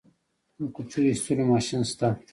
د کوچو ایستلو ماشین شته؟